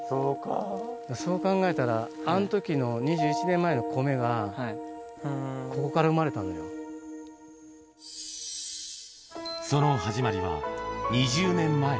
そう考えたら、あのときの、２１年前の米が、ここから生まれその始まりは、２０年前。